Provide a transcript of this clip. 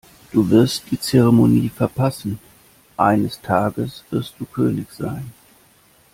Du wirst die Zeremonie verpassen. Eines Tages wirst du König sein.